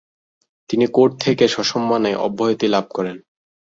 তিনি কোর্ট থেকে সসম্মানে অব্যাহতি লাভ করেন।